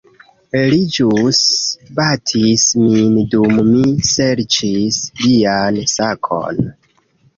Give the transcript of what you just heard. Li ĵus batis min dum mi serĉis lian sakon